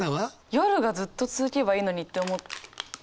夜がずっと続けばいいのにって思っちゃうタイプ。